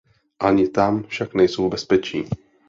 Ani tam však nejsou v bezpečí.